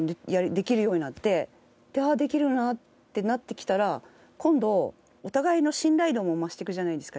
「あっできるな」ってなってきたら今度お互いの信頼度も増していくじゃないですか